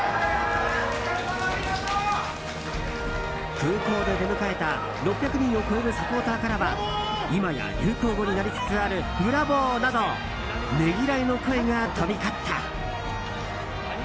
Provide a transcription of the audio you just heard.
空港で出迎えた６００人を超えるサポーターからは今や流行語になりつつあるブラボー！などねぎらいの声が飛び交った。